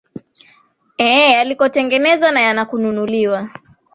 ee yaliko tengenezwa na ya na kununuliwa